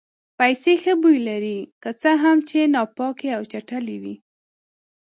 پیسې ښه بوی لري که څه هم چې ناپاکې او چټلې وي.